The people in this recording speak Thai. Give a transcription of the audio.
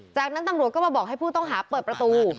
จากนั้นตำรวจก็มาบอกให้ผู้ต้องหาเปิดประตู